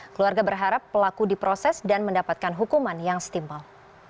keluarga berharap pelaku diproses dan mendapatkan hukuman yang setimpal